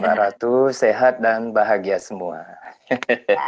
mbak ratu sehat dan bahagia semua